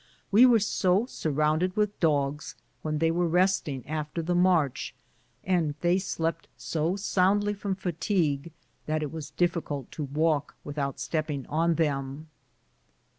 We were so surrounded with dogs when they were resting after the march, and they slept so soundl}^ from fatigue, that it was difficult to walk about without stepping on them.